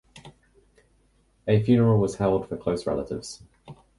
A funeral was held for close relatives.